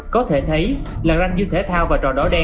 có thể thấy là ranh dư thể thao và trò đỏ đen